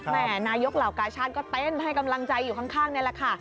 นายกเหล่ากาชาติก็เต้นให้กำลังใจอยู่ข้างนี่แหละค่ะ